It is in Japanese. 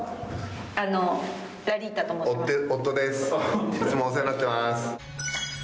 夫ですいつもお世話になってます。